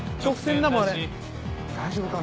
大丈夫かな。